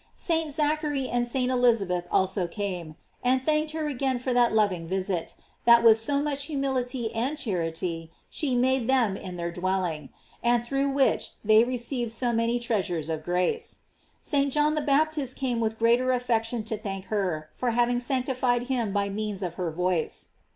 St. Zachary and St. Elizabeth also came, and thank ed her again for that loving visit, that with so much humility and charity she made them in their dwelling, and through which they received so many treasures of grace. St. John the Bap tist came with greater affection to thank her for having sanctified him by means of her voice.